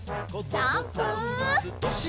ジャンプ！